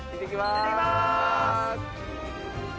いってきます！